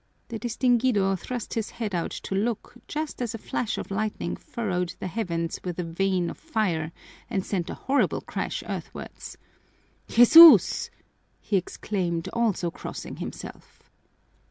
The distinguido thrust his head out to look, just as a flash of lightning furrowed the heavens with a vein of fire and sent a horrible crash earthwards. "Jesús!" he exclaimed, also crossing himself.